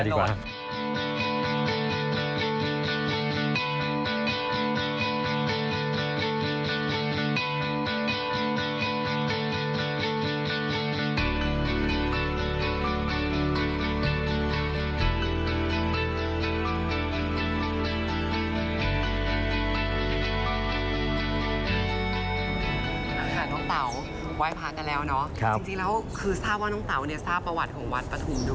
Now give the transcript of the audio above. นี่ค่ะน้องเต๋าไหว้พระกันแล้วเนาะจริงแล้วคือทราบว่าน้องเต๋าเนี่ยทราบประวัติของวัดปฐุมด้วย